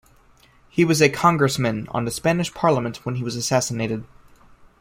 He was a congressman on the Spanish Parliament when he was assassinated.